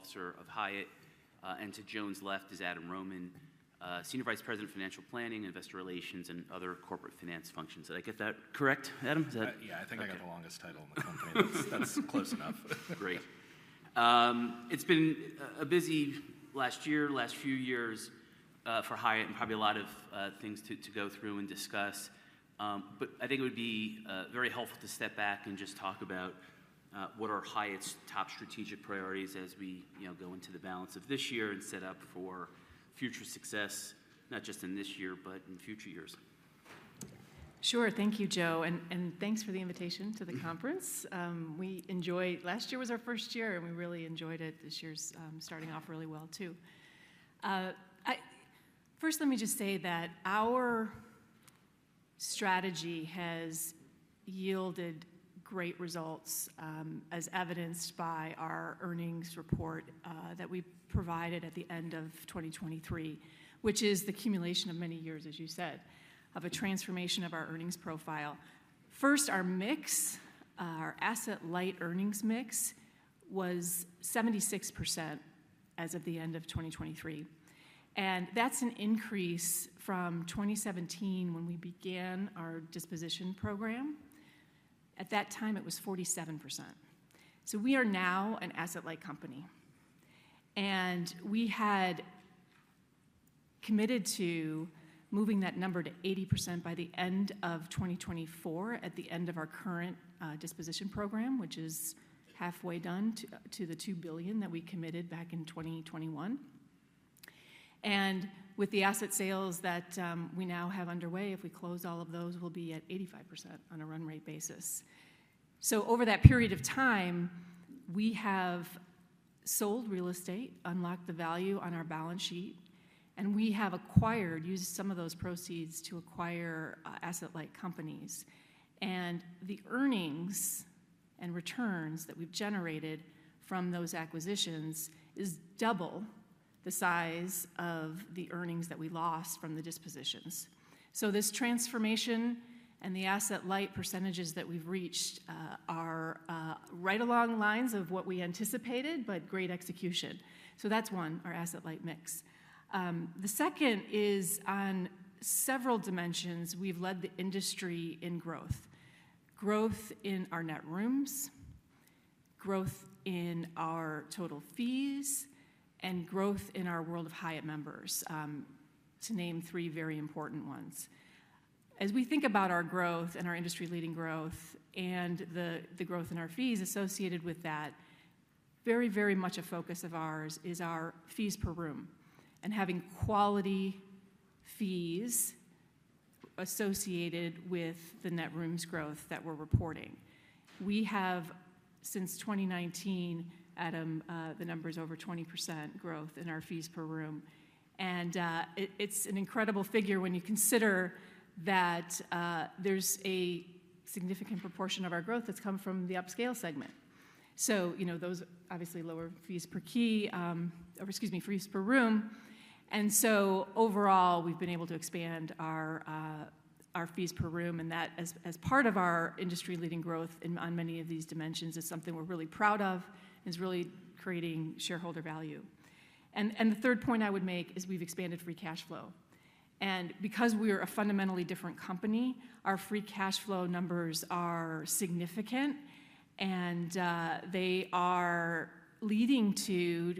Officer of Hyatt, and to Joan's left is Adam Rohman, Senior Vice President of Financial Planning, Investor Relations, and Other Corporate Finance Functions. Did I get that correct, Adam? Is that? Yeah, I think I got the longest title in the company. That's close enough. Great. It's been a busy last year, last few years, for Hyatt and probably a lot of things to go through and discuss. But I think it would be very helpful to step back and just talk about what are Hyatt's top strategic priorities as we go into the balance of this year and set up for future success, not just in this year but in future years. Sure. Thank you, Joe, and thanks for the invitation to the conference. Last year was our first year, and we really enjoyed it. This year's starting off really well, too. First, let me just say that our strategy has yielded great results, as evidenced by our earnings report that we provided at the end of 2023, which is the culmination of many years, as you said, of a transformation of our earnings profile. First, our mix, our asset-light earnings mix, was 76% as of the end of 2023. That's an increase from 2017 when we began our disposition program. At that time, it was 47%. We are now an asset-light company. We had committed to moving that number to 80% by the end of 2024, at the end of our current disposition program, which is halfway done to the $2 billion that we committed back in 2021. With the asset sales that we now have underway, if we close all of those, we'll be at 85% on a run-rate basis. So over that period of time, we have sold real estate, unlocked the value on our balance sheet, and we have acquired, used some of those proceeds to acquire asset-light companies. And the earnings and returns that we've generated from those acquisitions is double the size of the earnings that we lost from the dispositions. So this transformation and the asset-light percentages that we've reached are right along lines of what we anticipated, but great execution. So that's one, our asset-light mix. The second is, on several dimensions, we've led the industry in growth: growth in our net rooms, growth in our total fees, and growth in our World of Hyatt members, to name three very important ones. As we think about our growth and our industry-leading growth and the growth in our fees associated with that, very, very much a focus of ours is our fees per room and having quality fees associated with the net rooms growth that we're reporting. We have, since 2019, Adam, the numbers over 20% growth in our fees per room. It's an incredible figure when you consider that there's a significant proportion of our growth that's come from the upscale segment. So those, obviously, lower fees per key or, excuse me, fees per room. And so overall, we've been able to expand our fees per room. And that, as part of our industry-leading growth on many of these dimensions, is something we're really proud of and is really creating shareholder value. The third point I would make is we've expanded free cash flow. Because we are a fundamentally different company, our free cash flow numbers are significant, and they are leading to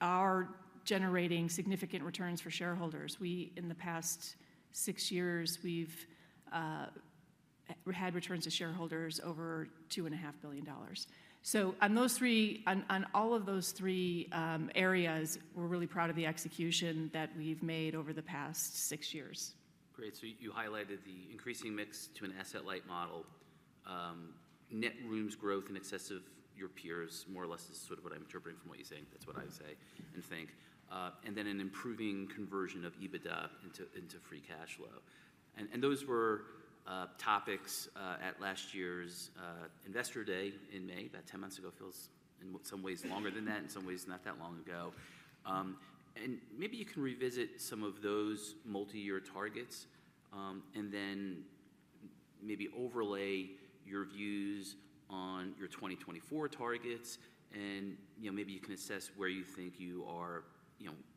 our generating significant returns for shareholders. In the past six years, we've had returns to shareholders over $2.5 billion. On all of those three areas, we're really proud of the execution that we've made over the past six years. Great. So you highlighted the increasing mix to an asset-light model, net rooms growth in excess of your peers, more or less is sort of what I'm interpreting from what you're saying. That's what I would say and think, and then an improving conversion of EBITDA into free cash flow. And those were topics at last year's Investor Day in May, about 10 months ago. Feels, in some ways, longer than that. In some ways, not that long ago. And maybe you can revisit some of those multi-year targets and then maybe overlay your views on your 2024 targets. And maybe you can assess where you think you are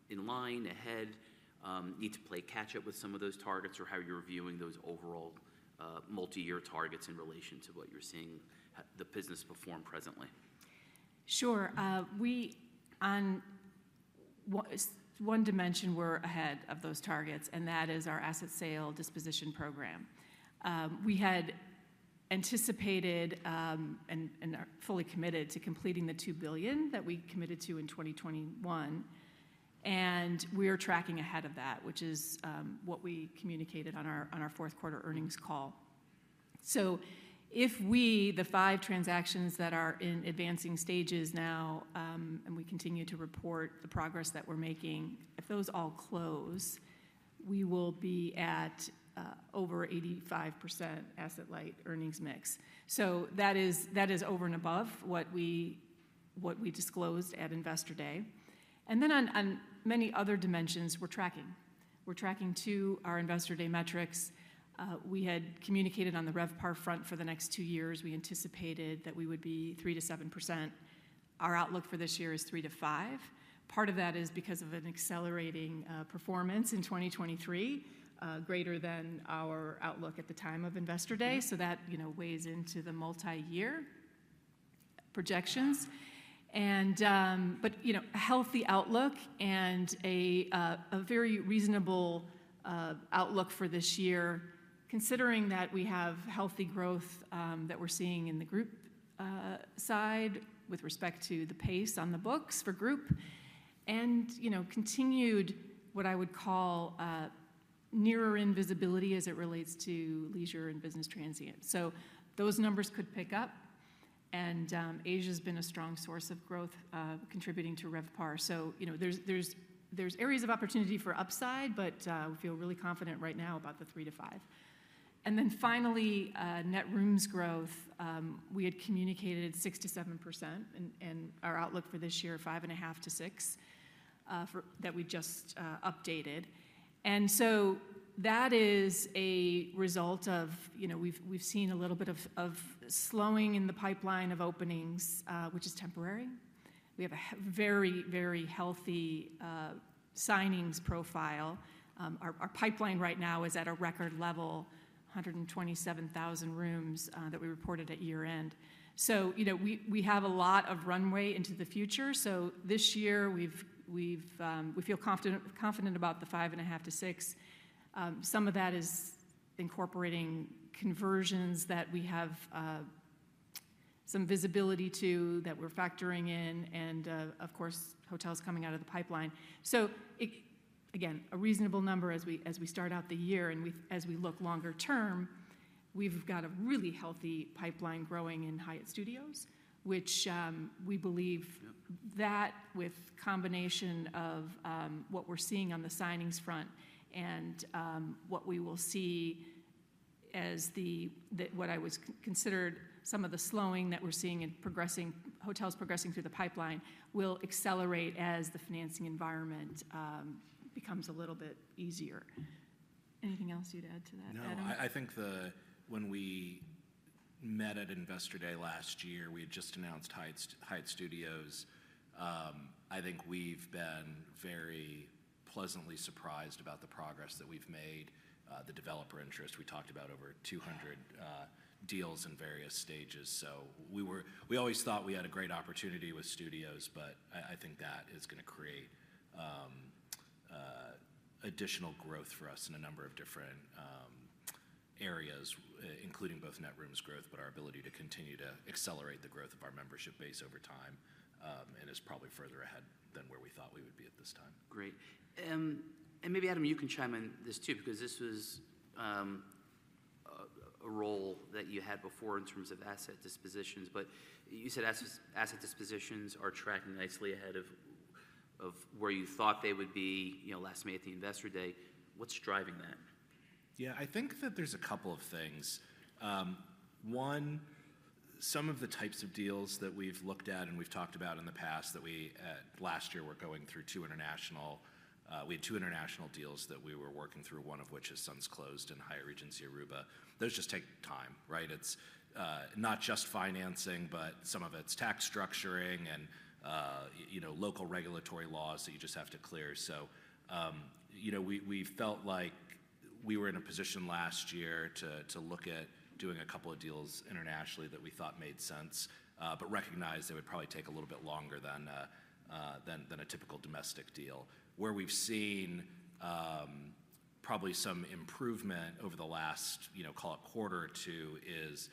in line, ahead, need to play catch-up with some of those targets, or how you're viewing those overall multi-year targets in relation to what you're seeing the business perform presently. Sure. On one dimension, we're ahead of those targets, and that is our asset sale disposition program. We had anticipated and are fully committed to completing the $2 billion that we committed to in 2021. And we are tracking ahead of that, which is what we communicated on our fourth quarter earnings call. So if we, the five transactions that are in advancing stages now, and we continue to report the progress that we're making, if those all close, we will be at over 85% asset-light earnings mix. So that is over and above what we disclosed at Investor Day. And then on many other dimensions, we're tracking. We're tracking to our Investor Day metrics. We had communicated on the RevPAR front for the next two years, we anticipated that we would be 3%-7%. Our outlook for this year is 3%-5%. Part of that is because of an accelerating performance in 2023, greater than our outlook at the time of Investor Day. So that weighs into the multi-year projections. But a healthy outlook and a very reasonable outlook for this year, considering that we have healthy growth that we're seeing in the group side with respect to the pace on the books for group and continued what I would call near-term visibility as it relates to leisure and business transient. So those numbers could pick up. And Asia has been a strong source of growth contributing to RevPAR. So there's areas of opportunity for upside, but we feel really confident right now about the 3%-5%. And then finally, net rooms growth, we had communicated 6%-7% and our outlook for this year, 5.5%-6%, that we just updated. And so that is a result of we've seen a little bit of slowing in the pipeline of openings, which is temporary. We have a very, very healthy signings profile. Our pipeline right now is at a record level, 127,000 rooms that we reported at year-end. So we have a lot of runway into the future. So this year, we feel confident about the 5.5%-6%. Some of that is incorporating conversions that we have some visibility to, that we're factoring in and, of course, hotels coming out of the pipeline. So again, a reasonable number as we start out the year. As we look longer term, we've got a really healthy pipeline growing in Hyatt Studios, which we believe that, with combination of what we're seeing on the signings front and what we will see as what I was considered some of the slowing that we're seeing and hotels progressing through the pipeline, will accelerate as the financing environment becomes a little bit easier. Anything else you'd add to that, Adam? No, I think when we met at Investor Day last year, we had just announced Hyatt Studios. I think we've been very pleasantly surprised about the progress that we've made, the developer interest. We talked about over 200 deals in various stages. So we always thought we had a great opportunity with Studios, but I think that is going to create additional growth for us in a number of different areas, including both net rooms growth but our ability to continue to accelerate the growth of our membership base over time. And it's probably further ahead than where we thought we would be at this time. Great. And maybe, Adam, you can chime in on this, too, because this was a role that you had before in terms of asset dispositions. But you said asset dispositions are tracking nicely ahead of where you thought they would be last May at the Investor Day. What's driving that? Yeah, I think that there's a couple of things. One, some of the types of deals that we've looked at and we've talked about in the past that we, last year, were going through, we had two international deals that we were working through, one of which has since closed in Hyatt Regency Aruba. Those just take time, right? It's not just financing, but some of it's tax structuring and local regulatory laws that you just have to clear. So we felt like we were in a position last year to look at doing a couple of deals internationally that we thought made sense but recognized they would probably take a little bit longer than a typical domestic deal. Where we've seen probably some improvement over the last, call it, quarter or two is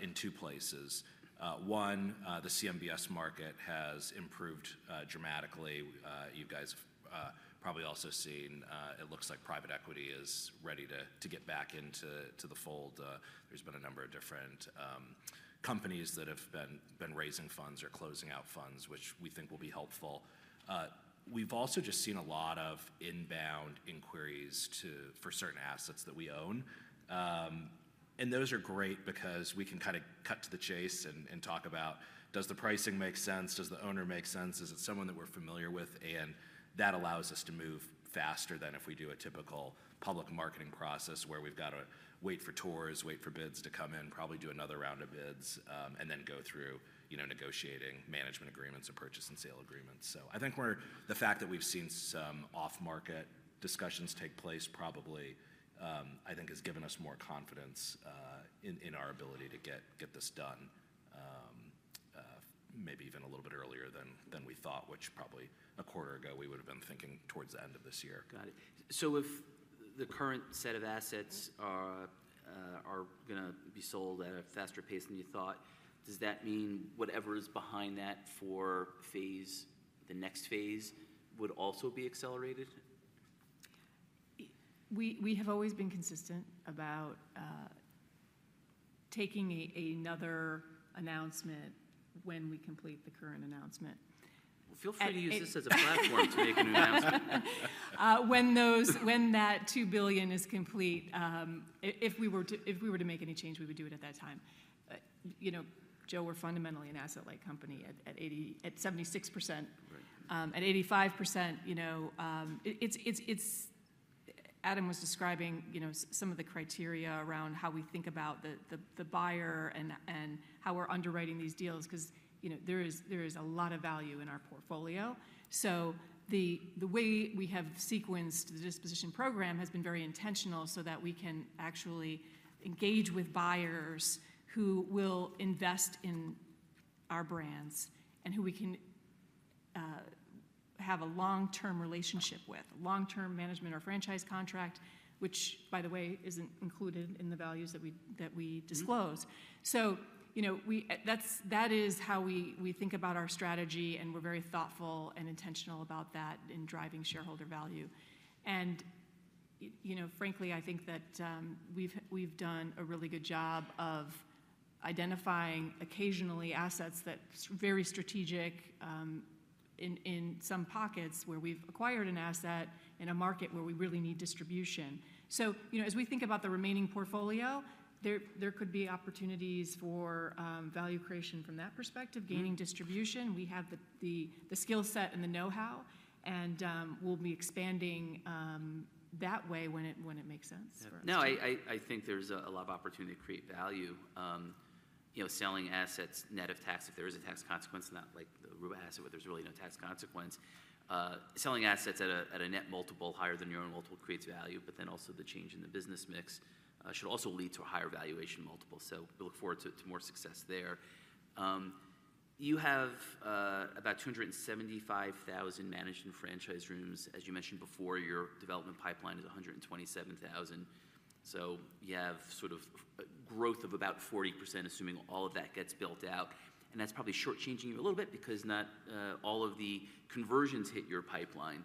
in two places. One, the CMBS market has improved dramatically. You guys have probably also seen it looks like private equity is ready to get back into the fold. There's been a number of different companies that have been raising funds or closing out funds, which we think will be helpful. We've also just seen a lot of inbound inquiries for certain assets that we own. And those are great because we can kind of cut to the chase and talk about, does the pricing make sense? Does the owner make sense? Is it someone that we're familiar with? And that allows us to move faster than if we do a typical public marketing process where we've got to wait for tours, wait for bids to come in, probably do another round of bids, and then go through negotiating management agreements and purchase and sale agreements. So I think the fact that we've seen some off-market discussions take place, probably, I think, has given us more confidence in our ability to get this done, maybe even a little bit earlier than we thought, which probably a quarter ago we would have been thinking towards the end of this year. Got it. So if the current set of assets are going to be sold at a faster pace than you thought, does that mean whatever is behind that for the next phase would also be accelerated? We have always been consistent about taking another announcement when we complete the current announcement. Well, feel free to use this as a platform to make a new announcement. When that $2 billion is complete, if we were to make any change, we would do it at that time. Joe, we're fundamentally an asset-light company at 76%. At 85%, Adam was describing some of the criteria around how we think about the buyer and how we're underwriting these deals because there is a lot of value in our portfolio. So the way we have sequenced the disposition program has been very intentional so that we can actually engage with buyers who will invest in our brands and who we can have a long-term relationship with, a long-term management or franchise contract, which, by the way, isn't included in the values that we disclose. So that is how we think about our strategy. And we're very thoughtful and intentional about that in driving shareholder value. Frankly, I think that we've done a really good job of identifying occasionally assets that's very strategic in some pockets where we've acquired an asset in a market where we really need distribution. So as we think about the remaining portfolio, there could be opportunities for value creation from that perspective, gaining distribution. We have the skill set and the know-how. We'll be expanding that way when it makes sense for us. No, I think there's a lot of opportunity to create value. Selling assets net of tax, if there is a tax consequence, not like the Aruba asset, where there's really no tax consequence. Selling assets at a net multiple higher than your own multiple creates value. But then also the change in the business mix should also lead to a higher valuation multiple. So we look forward to more success there. You have about 275,000 managed and franchised rooms. As you mentioned before, your development pipeline is 127,000. So you have sort of growth of about 40%, assuming all of that gets built out. And that's probably short-changing you a little bit because not all of the conversions hit your pipeline.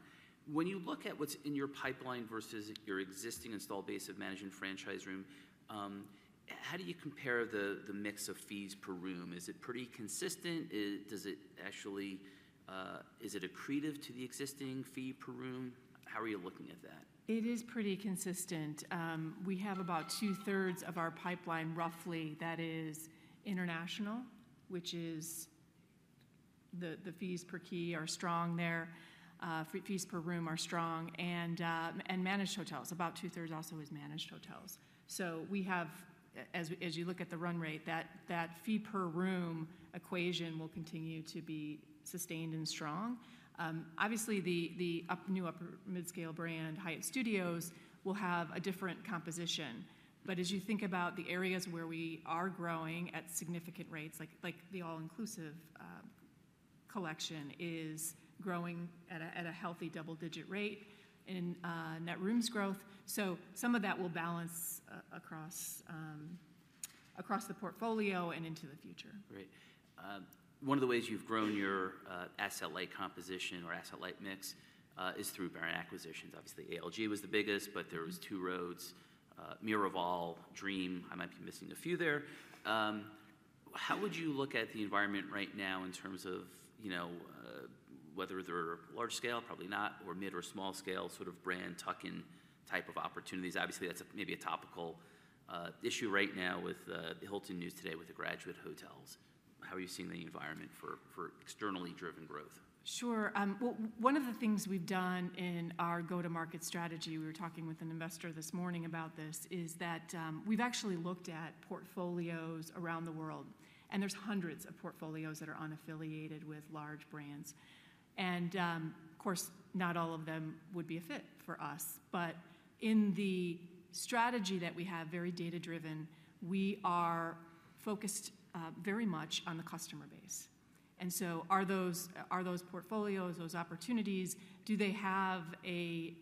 When you look at what's in your pipeline versus your existing installed base of managed and franchised room, how do you compare the mix of fees per room? Is it pretty consistent? Is it accretive to the existing fee per room? How are you looking at that? It is pretty consistent. We have about 2/3 of our pipeline, roughly, that is international, which is the fees per key are strong there. Fees per room are strong. And managed hotels, about 2/3 also is managed hotels. So as you look at the run rate, that fee per room equation will continue to be sustained and strong. Obviously, the new upper midscale brand, Hyatt Studios, will have a different composition. But as you think about the areas where we are growing at significant rates, like the All-Inclusive Collection is growing at a healthy double-digit rate in net rooms growth. So some of that will balance across the portfolio and into the future. Great. One of the ways you've grown your asset-light composition or asset-light mix is through brand acquisitions. Obviously, ALG was the biggest, but there was Two Roads, Miraval, Dream. I might be missing a few there. How would you look at the environment right now in terms of whether there are large-scale, probably not, or mid or small-scale sort of brand-tuck-in type of opportunities? Obviously, that's maybe a topical issue right now with the Hilton news today with the Graduate Hotels. How are you seeing the environment for externally-driven growth? Sure. One of the things we've done in our go-to-market strategy, we were talking with an investor this morning about this, is that we've actually looked at portfolios around the world. There's hundreds of portfolios that are unaffiliated with large brands. Of course, not all of them would be a fit for us. But in the strategy that we have, very data-driven, we are focused very much on the customer base. So are those portfolios, those opportunities, do they have a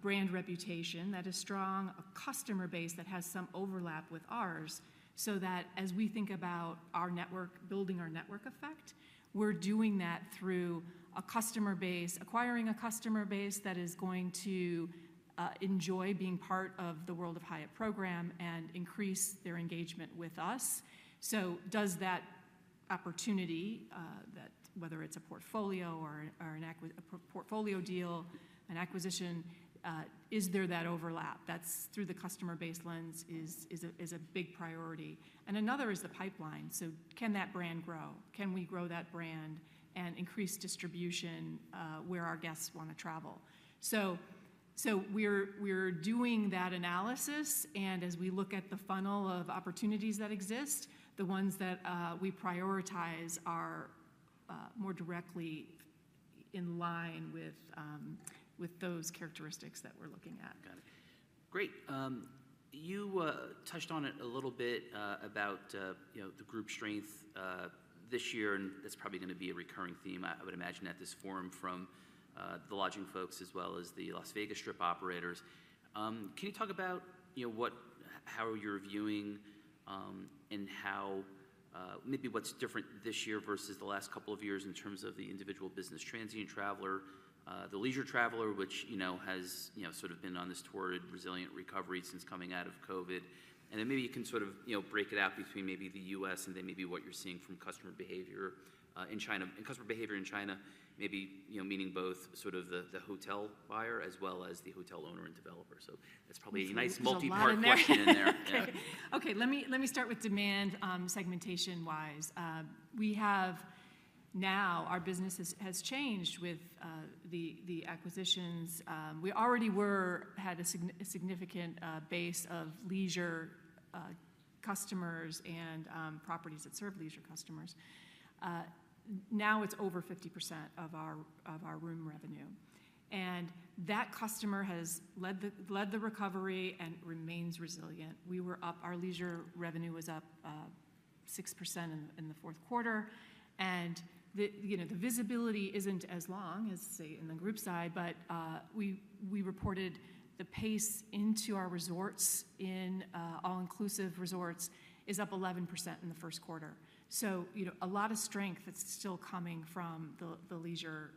brand reputation that is strong, a customer base that has some overlap with ours so that as we think about building our network effect, we're doing that through acquiring a customer base that is going to enjoy being part of the World of Hyatt program and increase their engagement with us? So does that opportunity, whether it's a portfolio or a portfolio deal, an acquisition, is there that overlap? Through the customer base lens is a big priority. And another is the pipeline. So can that brand grow? Can we grow that brand and increase distribution where our guests want to travel? So we're doing that analysis. And as we look at the funnel of opportunities that exist, the ones that we prioritize are more directly in line with those characteristics that we're looking at. Got it. Great. You touched on it a little bit about the group strength this year. That's probably going to be a recurring theme, I would imagine, at this forum from the lodging folks as well as the Las Vegas Strip operators. Can you talk about how you're viewing and maybe what's different this year versus the last couple of years in terms of the individual business transient traveler, the leisure traveler, which has sort of been on this toward resilient recovery since coming out of COVID? Then maybe you can sort of break it out between maybe the U.S. and then maybe what you're seeing from customer behavior in China, maybe meaning both sort of the hotel buyer as well as the hotel owner and developer. That's probably a nice multi-part question in there. Okay. Let me start with demand segmentation-wise. Now, our business has changed with the acquisitions. We already had a significant base of leisure customers and properties that serve leisure customers. Now, it's over 50% of our room revenue. And that customer has led the recovery and remains resilient. Our leisure revenue was up 6% in the fourth quarter. And the visibility isn't as long as, say, in the group side. But we reported the pace into our resorts, in all-inclusive resorts, is up 11% in the first quarter. So a lot of strength that's still coming from the leisure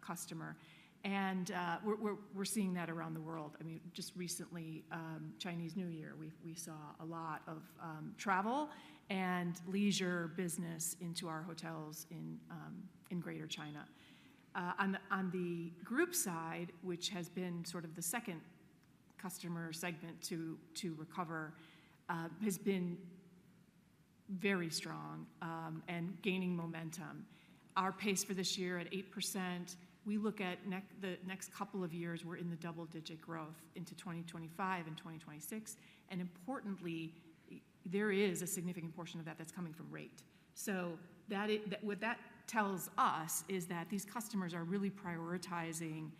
customer. And we're seeing that around the world. I mean, just recently, Chinese New Year, we saw a lot of travel and leisure business into our hotels in Greater China. On the group side, which has been sort of the second customer segment to recover, has been very strong and gaining momentum. Our pace for this year at 8%. We look at the next couple of years, we're in the double-digit growth into 2025 and 2026. And importantly, there is a significant portion of that that's coming from rate. So what that tells us is that these customers are really prioritizing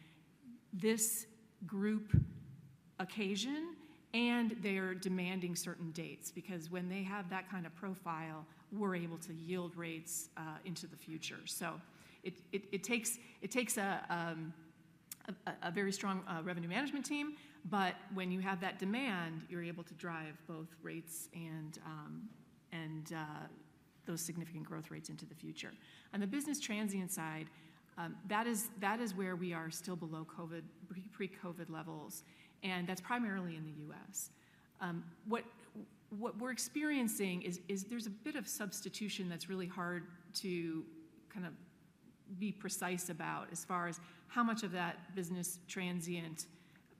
this group occasion. And they're demanding certain dates because when they have that kind of profile, we're able to yield rates into the future. So it takes a very strong revenue management team. But when you have that demand, you're able to drive both rates and those significant growth rates into the future. On the business transient side, that is where we are still below pre-COVID levels. And that's primarily in the U.S. What we're experiencing is there's a bit of substitution that's really hard to kind of be precise about as far as how much of that business transient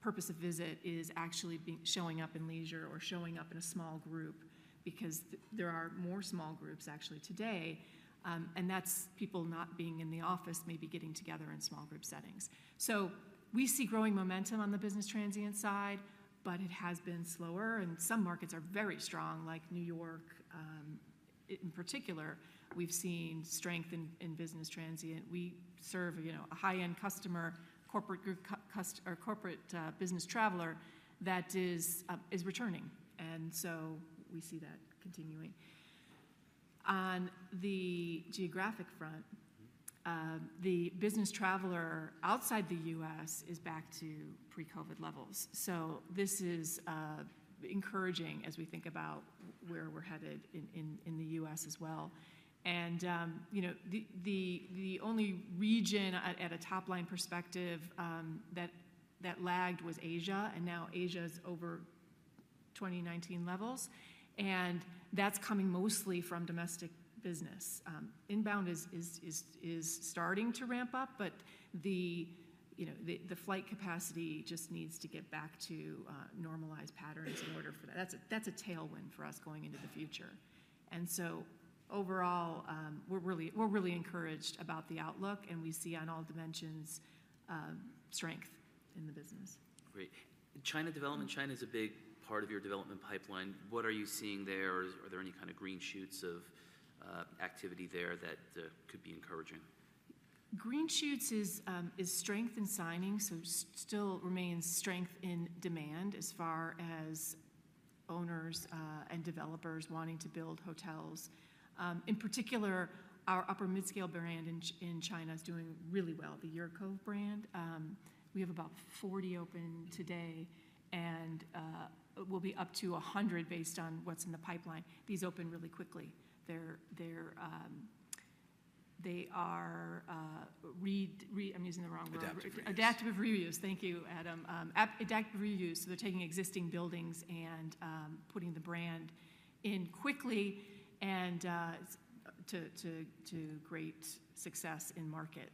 purpose of visit is actually showing up in leisure or showing up in a small group because there are more small groups actually today. And that's people not being in the office, maybe getting together in small group settings. So we see growing momentum on the business transient side. But it has been slower. And some markets are very strong, like New York in particular. We've seen strength in business transient. We serve a high-end customer, corporate business traveler that is returning. And so we see that continuing. On the geographic front, the business traveler outside the U.S. is back to pre-COVID levels. So this is encouraging as we think about where we're headed in the U.S. as well. And the only region at a top-line perspective that lagged was Asia. And now, Asia is over 2019 levels. And that's coming mostly from domestic business. Inbound is starting to ramp up. But the flight capacity just needs to get back to normalized patterns in order for that. That's a tailwind for us going into the future. And so overall, we're really encouraged about the outlook. And we see on all dimensions strength in the business. Great. China development, China is a big part of your development pipeline. What are you seeing there? Are there any kind of green shoots of activity there that could be encouraging? Green shoots is strength in signing. So still remains strength in demand as far as owners and developers wanting to build hotels. In particular, our upper midscale brand in China is doing really well, the UrCove brand. We have about 40 open today. And we'll be up to 100 based on what's in the pipeline. These open really quickly. They are. I'm using the wrong word. Adaptive reuse. Adaptive reuse. Thank you, Adam. Adaptive reuse. So they're taking existing buildings and putting the brand in quickly to great success in market.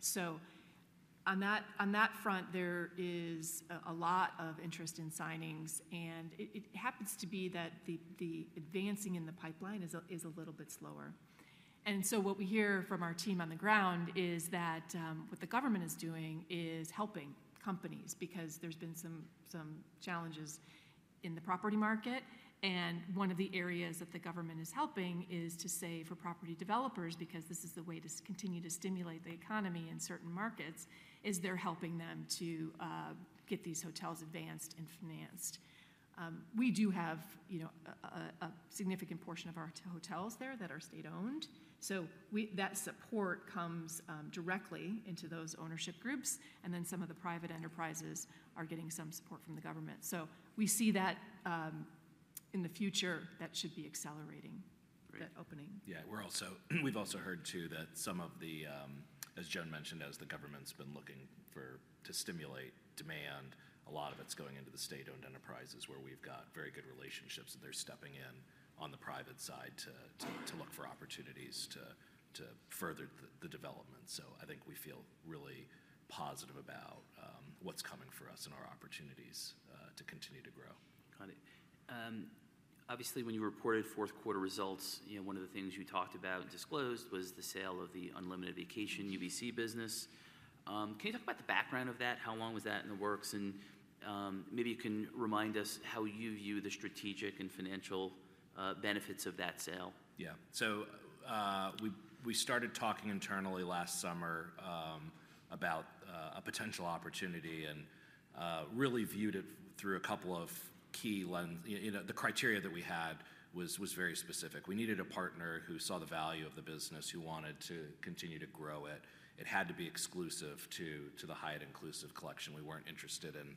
So on that front, there is a lot of interest in signings. And it happens to be that the advancing in the pipeline is a little bit slower. And so what we hear from our team on the ground is that what the government is doing is helping companies because there's been some challenges in the property market. And one of the areas that the government is helping is to save for property developers because this is the way to continue to stimulate the economy in certain markets. Is they're helping them to get these hotels advanced and financed. We do have a significant portion of our hotels there that are state-owned. So that support comes directly into those ownership groups. Then some of the private enterprises are getting some support from the government. We see that in the future, that should be accelerating, that opening. Yeah. We've also heard too that some of the, as Joan mentioned, as the government's been looking to stimulate demand, a lot of it's going into the state-owned enterprises where we've got very good relationships. And they're stepping in on the private side to look for opportunities to further the development. So I think we feel really positive about what's coming for us and our opportunities to continue to grow. Got it. Obviously, when you reported fourth quarter results, one of the things you talked about and disclosed was the sale of the Unlimited Vacation, UVC, business. Can you talk about the background of that? How long was that in the works? And maybe you can remind us how you view the strategic and financial benefits of that sale. Yeah. So we started talking internally last summer about a potential opportunity and really viewed it through a couple of key lenses. The criteria that we had was very specific. We needed a partner who saw the value of the business, who wanted to continue to grow it. It had to be exclusive to the Hyatt Inclusive Collection. We weren't interested in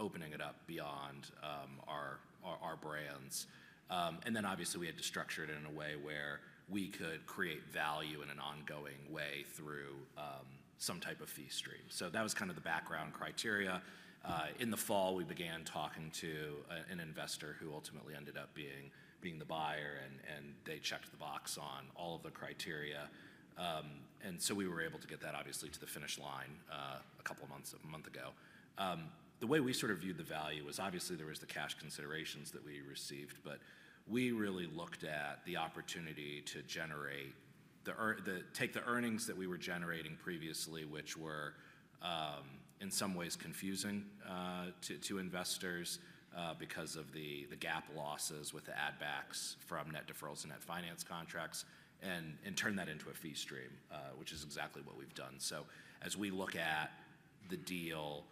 opening it up beyond our brands. And then obviously, we had to structure it in a way where we could create value in an ongoing way through some type of fee stream. So that was kind of the background criteria. In the fall, we began talking to an investor who ultimately ended up being the buyer. And they checked the box on all of the criteria. And so we were able to get that, obviously, to the finish line a couple of months ago. The way we sort of viewed the value was, obviously, there was the cash considerations that we received. But we really looked at the opportunity to take the earnings that we were generating previously, which were in some ways confusing to investors because of the GAAP losses with the add-backs from net deferrals and net finance contracts, and turn that into a fee stream, which is exactly what we've done. So as we look at the deal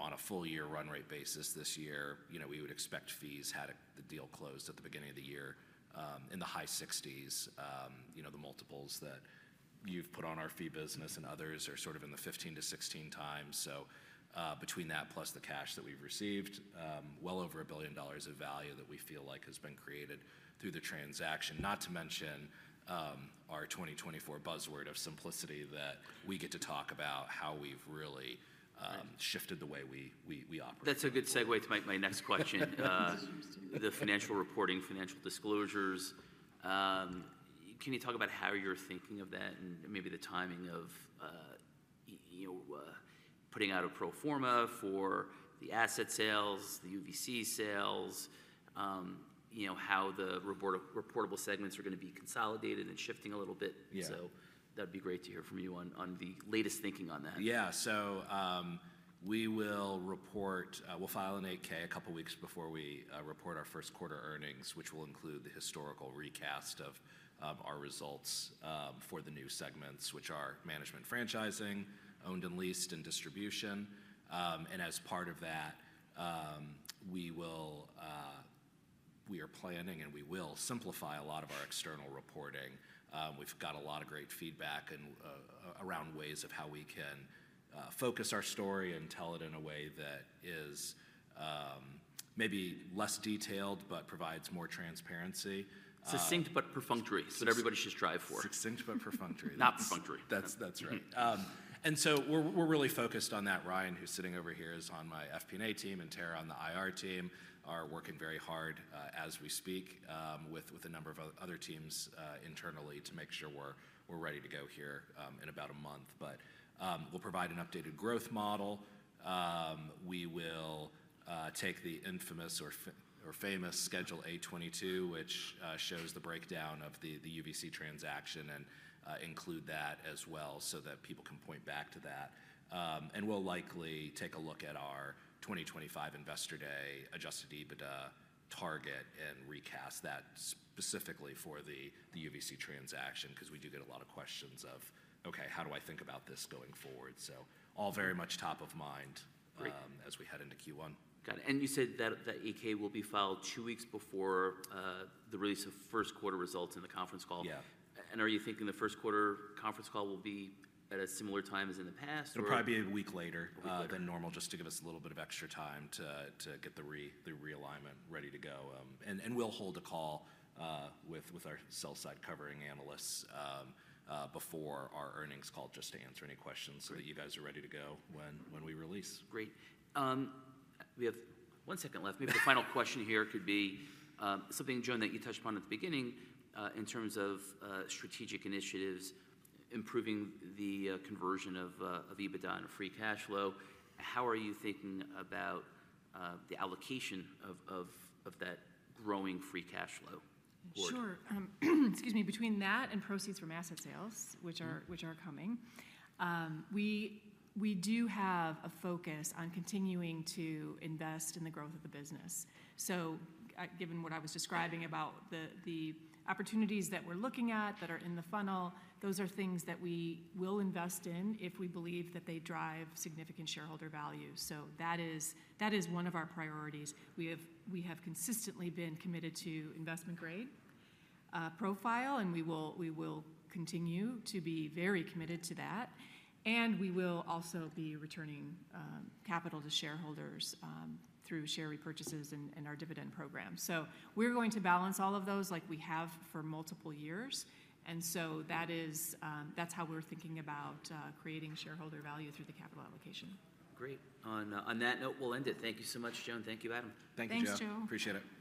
on a full-year run-rate basis this year, we would expect fees had the deal closed at the beginning of the year in the high 60s. The multiples that you've put on our fee business and others are sort of in the 15x-16x. So, between that plus the cash that we've received, well over $1 billion of value that we feel like has been created through the transaction, not to mention our 2024 buzzword of simplicity that we get to talk about how we've really shifted the way we operate. That's a good segue to make my next question, the financial reporting, financial disclosures. Can you talk about how you're thinking of that and maybe the timing of putting out a pro forma for the asset sales, the UVC sales, how the reportable segments are going to be consolidated and shifting a little bit? So that'd be great to hear from you on the latest thinking on that. Yeah. We'll file an 8-K a couple of weeks before we report our first quarter earnings, which will include the historical recast of our results for the new segments, which are management franchising, owned and leased, and distribution. As part of that, we are planning and we will simplify a lot of our external reporting. We've got a lot of great feedback around ways of how we can focus our story and tell it in a way that is maybe less detailed but provides more transparency. Succinct but perfunctory that everybody should strive for. Succinct but perfunctory. Not perfunctory. That's right. And so we're really focused on that. Ryan, who's sitting over here, is on my FP&A team. And Tara on the IR team are working very hard as we speak with a number of other teams internally to make sure we're ready to go here in about a month. But we'll provide an updated growth model. We will take the infamous or famous Schedule A-22, which shows the breakdown of the UVC transaction, and include that as well so that people can point back to that. And we'll likely take a look at our 2025 Investor Day adjusted EBITDA target and recast that specifically for the UVC transaction because we do get a lot of questions of, "Okay. How do I think about this going forward?" So all very much top of mind as we head into Q1. Got it. And you said that 8-K will be filed two weeks before the release of first quarter results in the conference call. And are you thinking the first quarter conference call will be at a similar time as in the past, or? It'll probably be a week later than normal just to give us a little bit of extra time to get the realignment ready to go. We'll hold a call with our sell-side covering analysts before our earnings call just to answer any questions so that you guys are ready to go when we release. Great. We have one second left. Maybe the final question here could be something, Joan, that you touched upon at the beginning in terms of strategic initiatives, improving the conversion of EBITDA and free cash flow. How are you thinking about the allocation of that growing free cash flow? Sure. Excuse me. Between that and proceeds from asset sales, which are coming, we do have a focus on continuing to invest in the growth of the business. So given what I was describing about the opportunities that we're looking at that are in the funnel, those are things that we will invest in if we believe that they drive significant shareholder value. So that is one of our priorities. We have consistently been committed to investment-grade profile. And we will continue to be very committed to that. And we will also be returning capital to shareholders through share repurchases and our dividend program. So we're going to balance all of those like we have for multiple years. And so that's how we're thinking about creating shareholder value through the capital allocation. Great. On that note, we'll end it. Thank you so much, Joan. Thank you, Adam. Thank you, Joe. Thanks, Joe. Appreciate it.